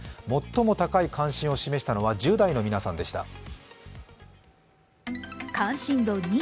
最も高い関心を示したのは１０代の皆さんでした。